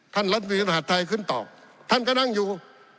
ท่านรัฐมนตรีรัฐไทยขึ้นต่อท่านก็นั่งอยู่